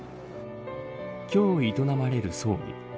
今日、営まれる葬儀。